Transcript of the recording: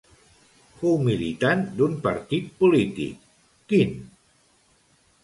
Fou militant d'un partit polític, quin?